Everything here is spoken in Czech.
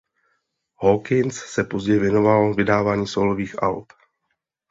Hawkins se později věnoval vydávání sólových alb.